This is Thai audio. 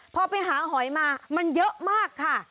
พอไปหาหอยมามันเยอะมากค่ะ